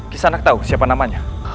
kisanak tahu siapa namanya